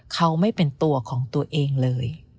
เขาไม่เป็นตัวของตัวเองเลย